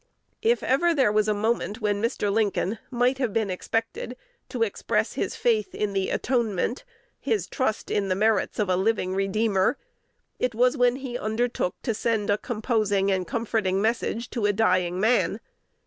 If ever there was a moment when Mr. Lincoln might have been expected to express his faith in the atonement, his trust in the merits of a living Redeemer, it was when he undertook to send a composing and comforting message to a dying man.